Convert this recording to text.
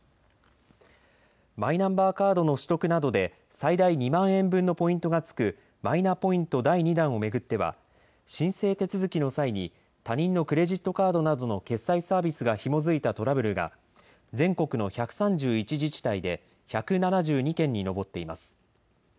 マイナンバーカードの取得などで最大２万円分のポイントが付くマイナポイント第２弾を巡っては申請手続きの際に他人のクレジットカードなどの決済サービスがひも付いたトラブルが全国の１３１自治体で１７２件に上っています。